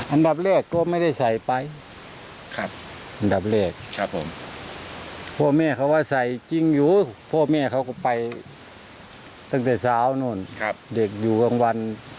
อันดับแรกก็ไม่ได้ใส่ไปครับอันดับแรกครับผมพ่อแม่เขาก็ใส่จริงอยู่พ่อแม่เขาก็ไปตั้งแต่เช้านู่นเด็กอยู่กลางวัน